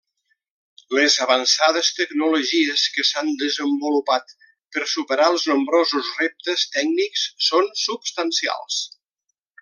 Les avançades tecnologies que s'han desenvolupat per superar els nombrosos reptes tècnics són substancials.